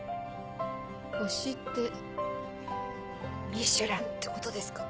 星って『ミシュラン』ってことですか？